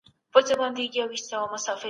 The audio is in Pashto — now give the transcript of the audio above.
جګړه اوس هم د هېواد اقتصاد زیانمنوي.